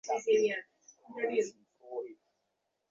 নিতইয়ের এক ভাগ্নে আছে, তার নাম সুদেব।